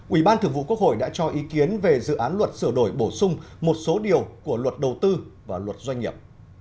ủy ban thường vụ quốc hội đã cho ý kiến về dự án luật sửa đổi bổ sung một số điều của luật đầu tư và luật doanh nghiệp